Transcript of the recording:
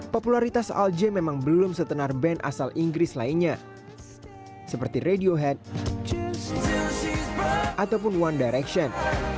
popularitas alja memang belum setenar band asal inggris lainnya seperti radiohead ataupun one direction